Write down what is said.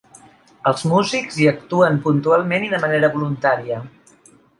Els músics hi actuen puntualment i de manera voluntària.